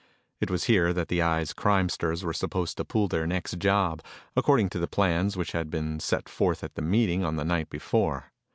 It was here that the Eye's crimesters were supposed to pull their next job, according to the plans which had been set forth at the meeting on the night before.